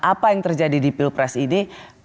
apa yang terjadi di pilpres ini